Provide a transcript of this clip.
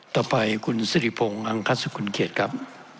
ต่อไปคุณสิริพงอังคัตสุขุนเกียจครับ